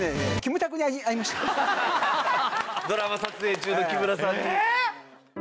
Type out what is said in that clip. ドラマ撮影中の木村さんに。